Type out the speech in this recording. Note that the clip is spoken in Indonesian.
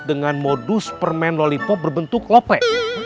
dengan modus permen lolipop berbentuk loprek